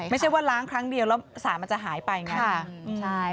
ไม่ใช่ว่าล้างครั้งเดียวแล้วสารมันจะหายไปไง